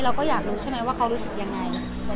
เราก็อยากรู้ใช่ไหมว่าเขารู้สึกยังไง